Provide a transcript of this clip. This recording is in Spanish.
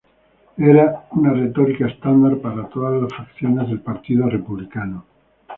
Era una retórica estándar para todas las facciones del partido republicano.